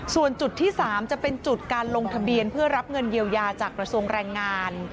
ส่วนจุดที่๓จะเป็นจุดการลงทะเบียนเพื่อรับเงินเยียวยาจากกระทรวงแรงงาน